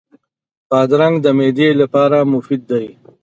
بادرنګ د معدې لپاره مفید دی.